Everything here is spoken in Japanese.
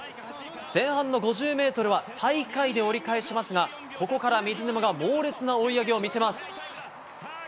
前半の５０メートルは、最下位で折り返しますが、ここから水沼が猛烈な追い上げを見せます。